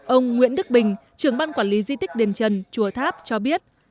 ông nguyễn đức bình trưởng ban quản lý di tích đền trần chùa tháp cho biết